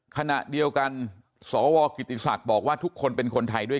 ขณะเดียวกันสวกิติศักดิ์บอกว่าทุกคนเป็นคนไทยด้วย